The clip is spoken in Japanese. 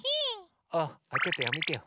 あちょっとやめてよ。